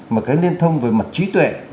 mà cái liên thông về mặt trí tuệ